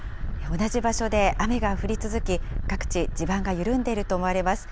同じ場所で雨が降り続き、各地、地盤が緩んでいると思われます。